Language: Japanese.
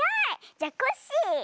じゃコッシー！